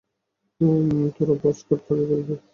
তোরা ভজঘট পাকিয়ে ফেলবি।